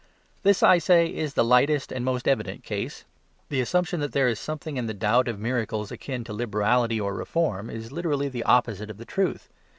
This, as I say, is the lightest and most evident case. The assumption that there is something in the doubt of miracles akin to liberality or reform is literally the opposite of the truth.